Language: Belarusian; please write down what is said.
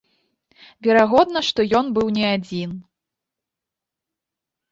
Верагодна, што ён быў не адзін.